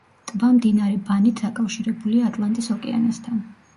ტბა მდინარე ბანით დაკავშირებულია ატლანტის ოკეანესთან.